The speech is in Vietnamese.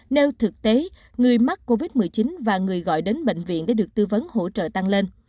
nếu thực tế người mắc covid một mươi chín và người gọi đến bệnh viện để được tư vấn hỗ trợ tăng lên